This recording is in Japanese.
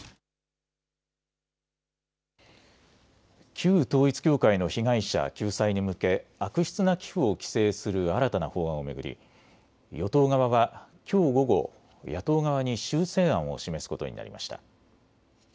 旧統一教会の被害者救済に向け悪質な寄付を規制する新たな法案を巡り与党側はきょう午後、野党側に修正案を示すことになりました。